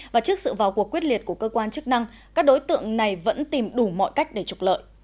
và trước sự vào cuộc quyết liệt của cơ quan chức năng các đối tượng này vẫn tìm đủ mọi cách để trục lợi